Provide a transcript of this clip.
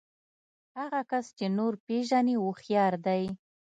هغه کس چې نور پېژني هوښيار دی.